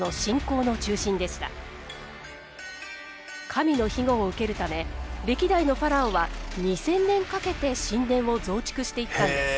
神の庇護を受けるため歴代のファラオは２，０００年かけて神殿を増築していったんです。